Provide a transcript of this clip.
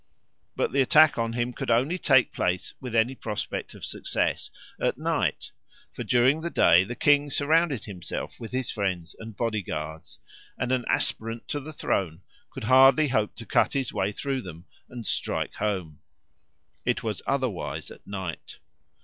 But the attack on him could only take place with any prospect of success at night; for during the day the king surrounded himself with his friends and bodyguards, and an aspirant to the throne could hardly hope to cut his way through them and strike home. It was otherwise at night.